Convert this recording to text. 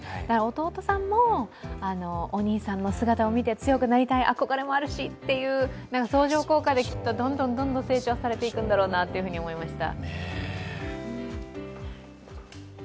弟さんもお兄さんの姿を見て強くなりたい、憧れもあるしって相乗効果できっとどんどん成長されていくんだろうなと思いました。